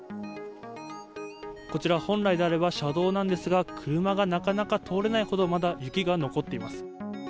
こちら本来であれば車道なんですが、車がなかなか通れないほど、まだ雪が残っています。